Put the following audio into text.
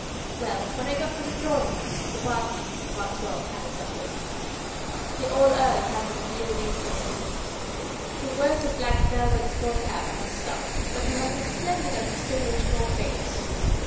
Well, when I got to the drawing room, the party about twelve had assembled. The old Earl had been wheeled in from his rooms: he wears a black velvet skull cap and a stock but he has a splendid and distinguished old face.